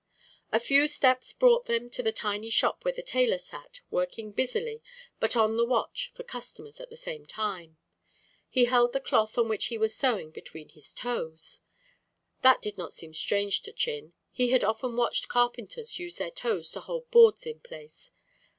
A few steps brought them to the tiny shop where the tailor sat, working busily, but on the watch for customers at the same time. He held the cloth on which he was sewing between his toes! That did not seem strange to Chin. He had often watched carpenters use their toes to hold boards in place.